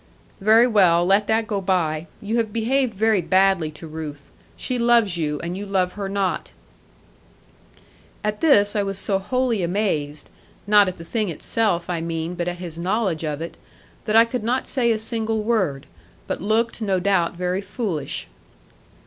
'Very well. Let that go by. You have behaved very badly to Ruth. She loves you; and you love her not.' At this I was so wholly amazed not at the thing itself, I mean, but at his knowledge of it that I could not say a single word; but looked, no doubt, very foolish.